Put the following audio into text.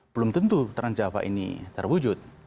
belum tentu trans jawa ini terwujud